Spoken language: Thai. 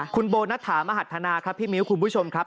คุณโบนัฐามหัฒนาครับพี่มิ้วคุณผู้ชมครับ